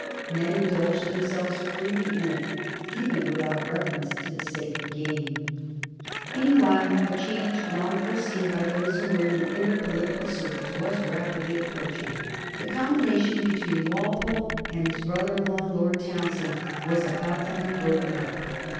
Men indulge themselves freely in it, even without reference to the sake of gain. Meanwhile, a change long foreseen by[those who were in the inner political circles was rapidly approaching. The combination between Walpole and his brother in law. Lord Townshend, was about to be broken up.